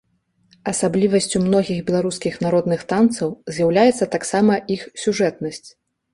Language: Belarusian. Асаблівасцю многіх беларускіх народных танцаў з'яўляецца таксама іх сюжэтнасць.